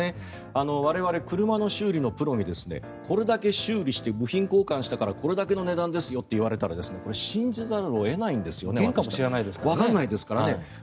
我々、車の修理のプロにこれだけ修理して部品交換したからこれだけの値段ですよと言われたら原価も知らないですから。